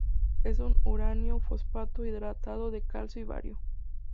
Es un uranilo-fosfato hidratado de calcio y bario.